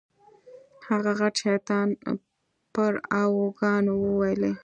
هغه غټ شیطان پر اوو کاڼو وولې.